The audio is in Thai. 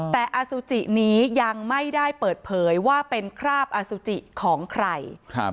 แต่อสุจินี้ยังไม่ได้เปิดเผยว่าเป็นคราบอสุจิของใคร